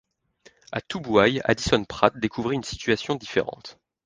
À Tubuaï, Addison Pratt découvrit une situation différente.